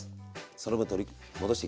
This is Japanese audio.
その分取り戻していきましょう。